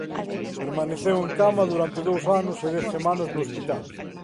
Permaneceu en cama durante dous anos e dez semanas no hospital.